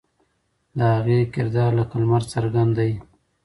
د هغې کردار لکه لمر څرګند دی.